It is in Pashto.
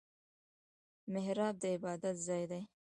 محراب د عبادت ځای دی